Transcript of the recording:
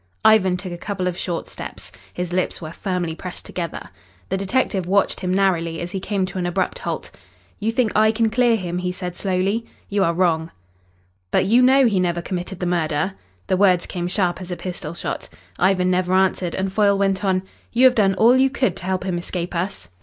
Ivan took a couple of short steps. His lips were firmly pressed together. The detective watched him narrowly as he came to an abrupt halt. "You think I can clear him?" he said slowly. "You are wrong." "But you know he never committed the murder?" The words came sharp as a pistol shot. Ivan never answered, and Foyle went on: "You have done all you could to help him escape us.